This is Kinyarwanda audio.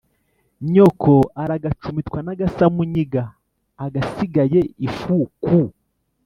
nyoko aragacumitwa n'agas amu nyiga ag asigaye ifu ku